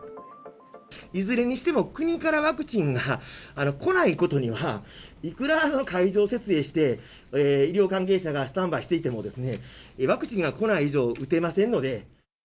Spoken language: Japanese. いずれにしても国からワクチンが来ないことには、いくら会場設営して、医療関係者がスタンバイしていても、ワクチンが来ない以上、打てませんので。